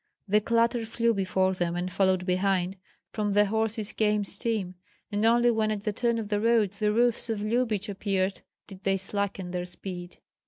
The clatter flew before them and followed behind, from the horses came steam, and only when at the turn of the road the roofs of Lyubich appeared did they slacken their speed.